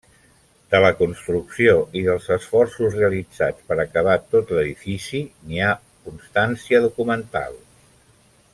De la construcció i dels esforços realitzats per acabar tot l'edifici, n'hi ha constància documental.